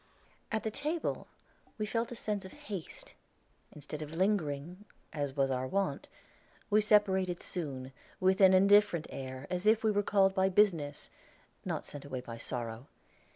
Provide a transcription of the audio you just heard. At the table we felt a sense of haste; instead of lingering, as was our wont, we separated soon, with an indifferent air, as if we were called by business, not sent away by sorrow.